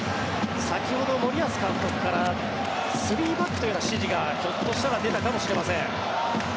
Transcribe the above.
先ほど森保監督から３バックというような指示がひょっとしたら出たかもしれません。